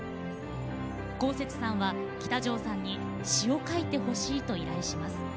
こうせつさんは喜多條さんに詞を書いてほしいと依頼します。